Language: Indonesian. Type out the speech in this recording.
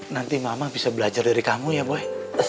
nanti mama bisa belajar dari kamu ya pak